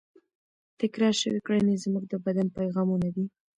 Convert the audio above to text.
تکرار شوې کړنې زموږ د بدن پیغامونه دي.